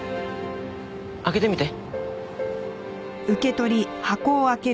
開けてみて。